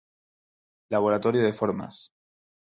Laboratorio de Formas.